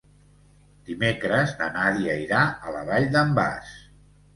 Dimecres na Nàdia irà a la Vall d'en Bas.